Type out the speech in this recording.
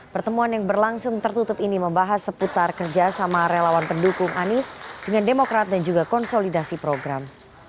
pertemuan yang berlangsung tertutup ini membahas seputar kerjasama relawan pendukung anies dengan demokrat dan juga konsolidasi program